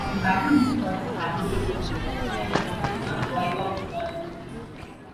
The battle destroyed the Habitation but it did not wipe out the colony.